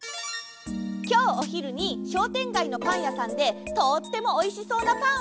きょうおひるにしょうてんがいのパンやさんでとってもおいしそうなパンをみつけたの！